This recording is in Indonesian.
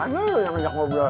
aduh yang ajak ngobrol